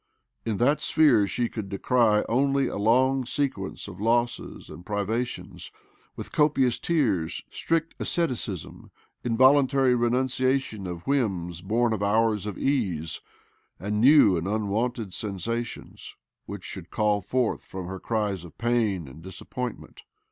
In that sphere she could descry only a long sequence of losses and privationSj with copious tears, strict asceti cism, involuntary renunciation of whims bom of hours of ease, aiid new and unwonted sensations which should call forth from her cries of pain and' disappointment.